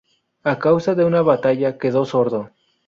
A causa de una batalla quedó sordo.